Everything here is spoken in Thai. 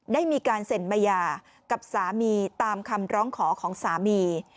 ได้มีการเซ็นมายากับสามีตามคำร้องขอของสามี